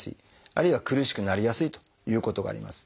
あるいは苦しくなりやすいということがあります。